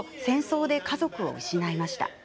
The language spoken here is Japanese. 戦争で家族を失いました。